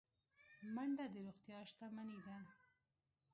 منډه د روغتیا شتمني ده